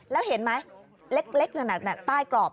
แล้วเห็นไหมเล็กนั่นใต้กรอบ